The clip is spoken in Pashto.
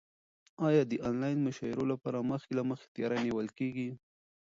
ایا د انلاین مشاعرو لپاره مخکې له مخکې تیاری نیول کیږي؟